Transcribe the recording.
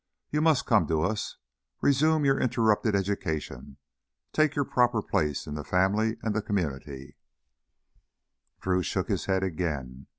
You must come to us, resume your interrupted education, take your proper place in the family and the community " Drew shook his head again.